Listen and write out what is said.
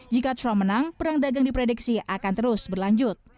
jika trump menang perang dagang diprediksi akan terus berlanjut